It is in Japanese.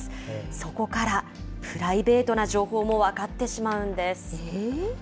そこからプライベートな情報も分かってしまうんです。